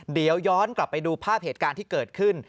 เดี๋ยวย้อนกลับไปดูภาพเหตุการณ์ที่เกิดขึ้น